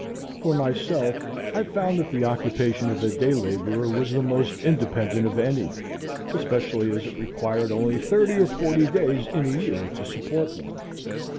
For myself I found that the occupation of a day laborer was the most independent of any, especially as it required only thirty or forty days in a year to support one.